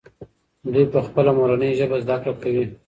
دوی په خپله مورنۍ ژبه زده کړه کوي.